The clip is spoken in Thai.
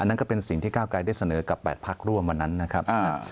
นั่นก็เป็นสิ่งที่ก้าวไกลได้เสนอกับ๘พักร่วมวันนั้นนะครับ